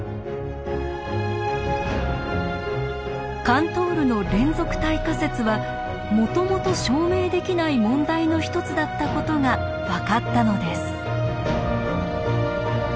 カントールの「連続体仮説」はもともと証明できない問題の一つだったことが分かったのです。